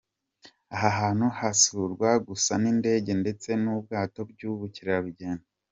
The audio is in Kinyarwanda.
Aha hantu hasurwa gusa n’indege ndetse n’ubwato by’ubukerarugendo.